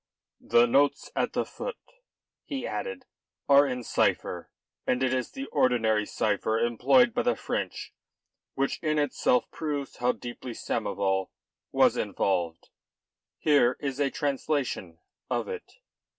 "The notes at the foot," he added, "are in cipher, and it is the ordinary cipher employed by the French, which in itself proves how deeply Samoval was involved. Here is a translation of it."